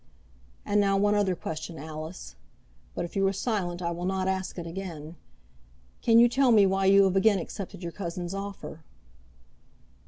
"And now one other question, Alice; but if you are silent, I will not ask it again. Can you tell me why you have again accepted your cousin's offer?"